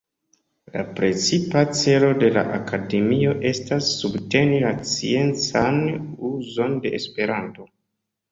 La precipa celo de la akademio estas subteni la sciencan uzon de Esperanto.